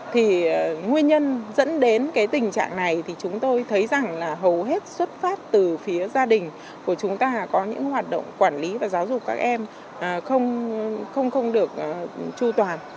thì nguyên nhân dẫn đến cái tình trạng này thì chúng tôi thấy rằng là hầu hết xuất phát từ phía gia đình của chúng ta có những hoạt động quản lý và giáo dục các em không được tru toàn